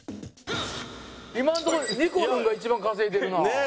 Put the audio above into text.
今のところにこるんが一番稼いでるな。